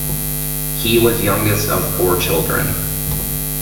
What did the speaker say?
He was youngest of four children.